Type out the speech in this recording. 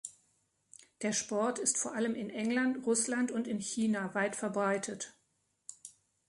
Der Sport ist vor allem in England, Russland und in China weit verbreitet.